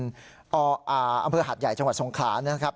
อำเภอหัดใหญ่จังหวัดสงขลานะครับ